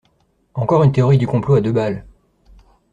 Encore une théorie du complot à deux balles.